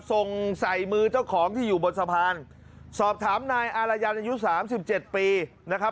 ส่งใส่มือเจ้าของที่อยู่บนสะพานสอบถามนายอารยันอายุสามสิบเจ็ดปีนะครับ